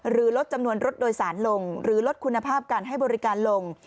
ลดจำนวนรถโดยสารลงหรือลดคุณภาพการให้บริการลง